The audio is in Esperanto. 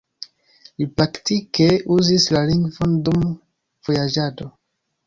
Li praktike uzis la lingvon dum vojaĝado.